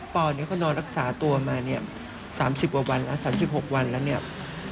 ปอล์นี้เขานอนรักษาตัวมา๓๐วันแล้ว๓๖วันแล้ว